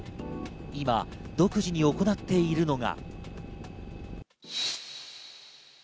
今、独自に行っているのが。